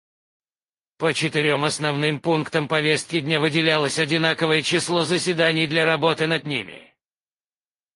По четырем основным пунктам повестки дня выделялось одинаковое число заседаний для работы над ними.